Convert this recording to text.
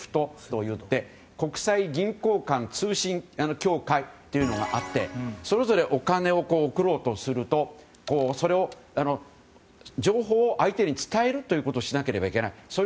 ＳＷＩＦＴといって国際銀行間通信協会というのがあってそれぞれお金を送ろうとすると情報を相手に伝えるということをしなければいけない。